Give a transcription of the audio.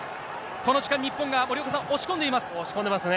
この時間、日本が森岡さん、押し込んでますね。